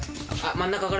真ん中から？